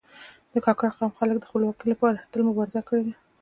د کاکړ قوم خلک د خپلواکي لپاره تل مبارزه کړې ده.